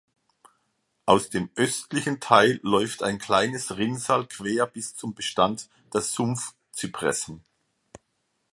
Aus dem östlichen Teil läuft ein kleines Rinnsal quer bis zum Bestand der Sumpfzypressen.